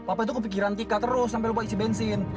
apa itu kepikiran tika terus sampai lupa isi bensin